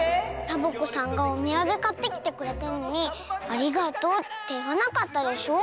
サボ子さんがおみやげかってきてくれたのに「ありがとう」っていわなかったでしょ。